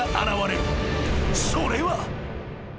［それは］